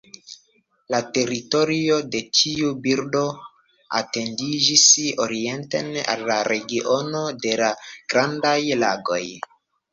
La teritorio de tiu birdo etendiĝis orienten al la regiono de la Grandaj Lagoj.